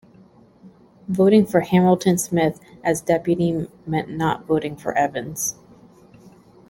Voting for Hamilton-Smith as deputy meant not voting for Evans.